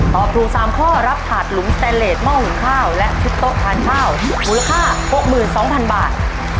ตอบถูก๓ข้อรับถาดหลุมสแตนเลสหม้อหุงข้าวและชุดโต๊ะทานข้าวมูลค่า๖๒๐๐๐บาท